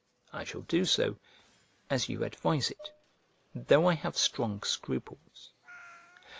I shall do so, as you advise it, though I have strong scruples.